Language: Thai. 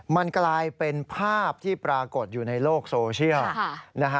มันกลายเป็นภาพที่ปรากฏอยู่ในโลกโซเชียล